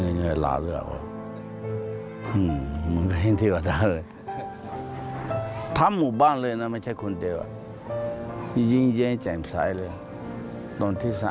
เสียงภาพทำงานที่อาณาตรีเหลืออยู่หรือทำให้ไปโดยลาหรือแก่อย่างนี้